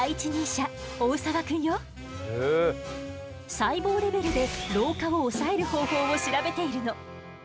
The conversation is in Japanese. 細胞レベルで老化を抑える方法を調べているの。